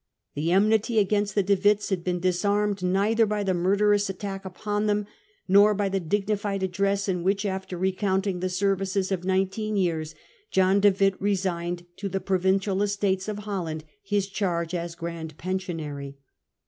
The enmity against the De Witts had been disarmed neither by the murderous attack upon them nor by the dignified address in which, after recounting the ser vices of nineteen years, John De Witt resigned to the Pro vincial Estates of Holland his charge as Grand Pension ary.